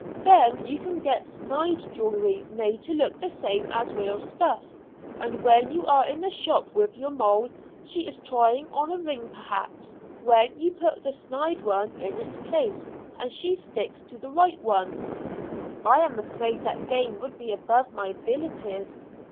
Then you can get snyde jewellery made to look the same as real stuff, and when you are in the shop with your moll, she is trying on a ring perhaps, when you put the snyde one in its place and she sticks to the right one." Gentleman. Prostitute of the gayest sort. "I am afraid that game would be above my abilities?"